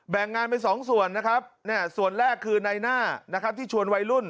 แบ่งงานไปสองส่วนส่วนแรกคือในหน้าที่ชวนวัยรุ่น